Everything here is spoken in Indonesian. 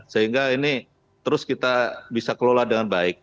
sehingga ini terus kita bisa kelola dengan baik